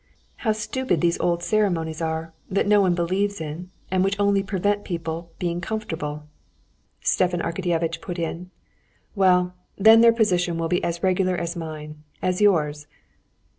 How stupid these old ceremonies are, that no one believes in, and which only prevent people being comfortable!" Stepan Arkadyevitch put in. "Well, then their position will be as regular as mine, as yours."